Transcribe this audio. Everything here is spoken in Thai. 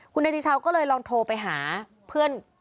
คุณเนติชาวก็เลยลองโทรไปหาเพื่อน